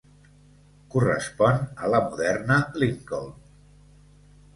Correspon a la moderna Lincoln.